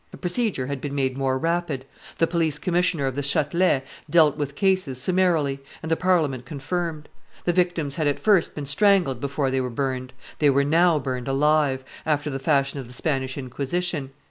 The procedure had been made more rapid; the police commissioner of the Chatelet dealt with cases summarily, and the Parliament confirmed. The victims had at first been strangled before they were burned; they were now burned alive, after the fashion of the Spanish Inquisition.